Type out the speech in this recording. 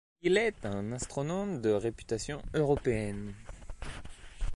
Il est un astronome de réputation européenne.